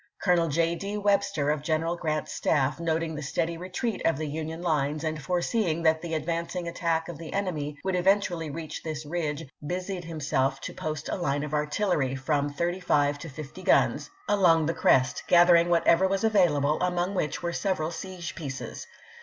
Colonel J. D. Webster of General Grant's staff, noting the steady retreat of the Union lines and foreseeing that the advan cing attack of the enemy would eventually reach this ridge, busied himself to post a line of artillery — from thirty five to fifty guns — along the crest, gather ing whatever was available, among which were several siege pieces.